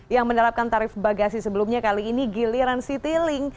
yang menerapkan tarif bagasi sebelumnya kali ini giliran citylink